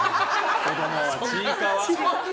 子供はちいかわ。